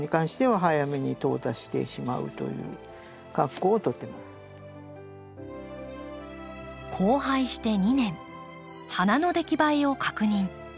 これとこれは交配して２年花の出来栄えを確認。